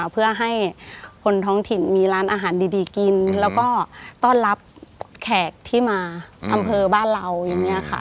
เพื่อให้คนท้องถิ่นมีร้านอาหารดีกินแล้วก็ต้อนรับแขกที่มาอำเภอบ้านเราอย่างนี้ค่ะ